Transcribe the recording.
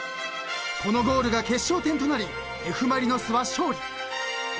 ［このゴールが決勝点となりＦ・マリノスは勝利］